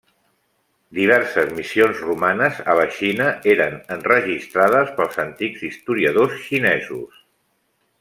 Diverses missions romanes a la Xina eren enregistrades pels antics historiadors xinesos.